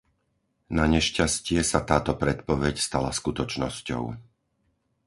Nanešťastie sa táto predpoveď stala skutočnosťou.